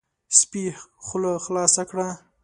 سپي خوله خلاصه کړه،